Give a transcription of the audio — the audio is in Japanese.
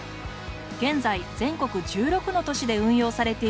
現在全国１６の都市で運用されているＳ．Ａ．Ｆ．Ｅ